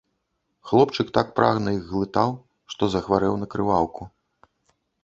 Хлопчык так прагна іх глытаў, што захварэў на крываўку.